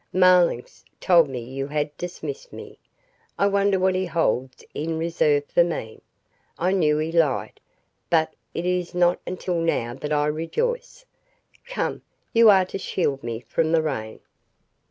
Marlanx told me you had dismissed me. I wonder what he holds in reserve for me. I knew he lied, but it is not until now that I rejoice. Come, you are to shield me from the rain."